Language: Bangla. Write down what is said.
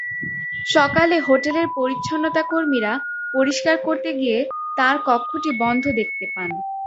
সকালে হোটেলের পরিচ্ছন্নতা-কর্মীরা পরিষ্কার করতে গিয়ে তাঁর কক্ষটি বন্ধ দেখতে পান।